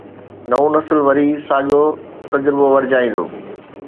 نئون نسل وري ساڳيو تجربو ورجائيندو.